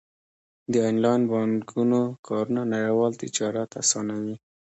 د انلاین بانکونو کارونه نړیوال تجارت اسانوي.